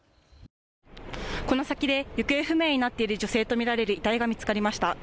この先で行方不明になっている女性と見られる遺体が見つかりました。